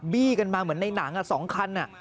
ี้กันมาเหมือนในหนัง๒คัน